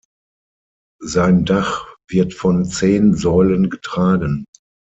Sein Dach wird von zehn Säulen getragen.